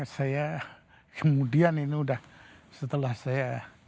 saya kemudian ini udah setelah saya